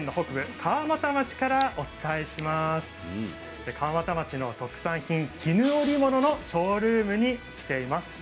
川俣町の特産品、絹織物のショールームに来ています。